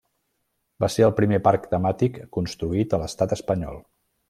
Va ser el primer parc temàtic construït a l'Estat espanyol.